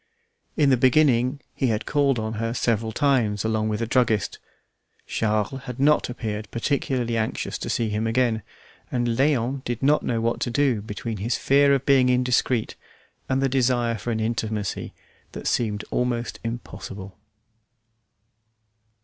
In the beginning he had called on her several times along with the druggist. Charles had not appeared particularly anxious to see him again, and Léon did not know what to do between his fear of being indiscreet and the desire for an intimacy that seemed almost impossible.